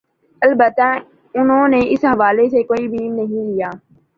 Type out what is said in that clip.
البتہ ان نے اس حوالہ سے کوئی م نہیں لیا